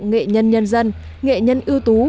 nghệ nhân nhân dân nghệ nhân ưu tú